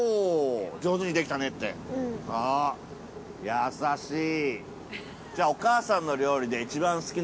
◆優しい。